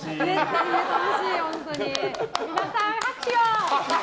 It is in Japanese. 皆さん、拍手を！